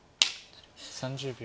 ３０秒。